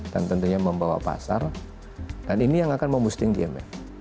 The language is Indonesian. dan tentunya membawa pasar dan ini yang akan memboosting gmf